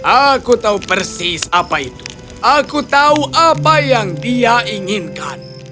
aku tahu persis apa itu aku tahu apa yang dia inginkan